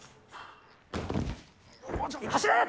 走れ！